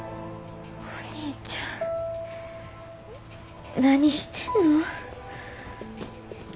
お兄ちゃん何してんの。